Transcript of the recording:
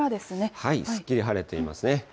すっきり晴れていますね。